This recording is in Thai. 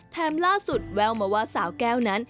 ล่าสุดแววมาว่าสาวแก้วนั้น